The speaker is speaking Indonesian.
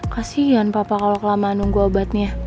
kasian papa kalau kelamaan nunggu obatnya